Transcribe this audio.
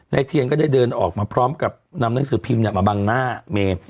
เทียนก็ได้เดินออกมาพร้อมกับนำหนังสือพิมพ์มาบังหน้าเมย์